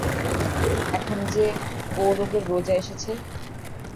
এখন যে ও-রোগের রোজা এসেছে।